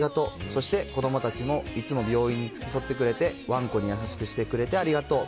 そして、子どもたちもいつも病院に付き添ってくれて、わんこに優しくしてくれてありがとう。